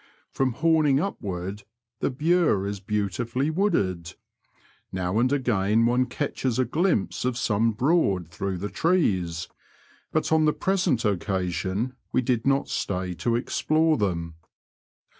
Prom Homing upward the Bure is beautifully wooded. Now and again one catches a glimpse of some Broad through the trees, but on the present occasion we did not stay to explore them.